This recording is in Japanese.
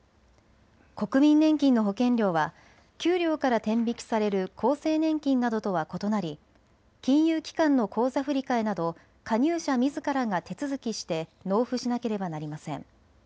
国民年金の保険料は給料から天引きされる厚生年金などとは異なり金融機関の口座振替など加入者みずからが手続きして納付しなければなりません。